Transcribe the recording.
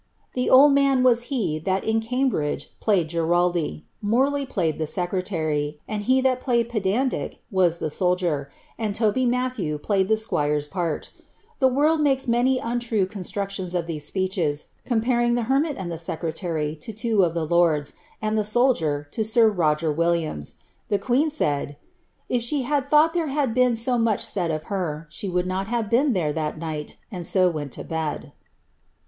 The old man was he that in Gimbridge played Giraldy ; Morley played the secretary ; and he that played pedantic, wis the soldier ; and Toby Matthew played the squire's part The world makes many untrue constructions of these speeches, comparing the hermit and secretary to two of the lords, and the soldier to sir Roger Williams. The queen said, ^ if she had thought there had been so much said of her, she would not have been there that night, and so went to bed."